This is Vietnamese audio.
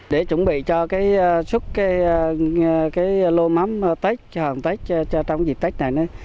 để chuẩn bị cho cái xuất cái lô mắm tết chom tết trong dịp tết này